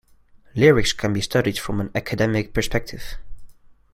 Lyrics can be studied from an academic perspective.